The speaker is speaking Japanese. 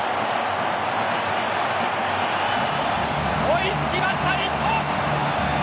追い付きました、日本。